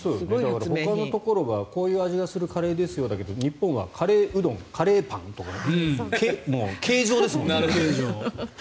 ほかのところはこういう味がするカレーですよだけど日本はカレーうどん、カレーパンとか形状ですもんね。